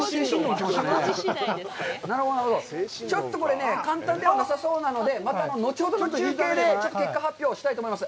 ちょっとこれ、簡単ではなさそうなので、また後ほど中継で結果発表したいと思います。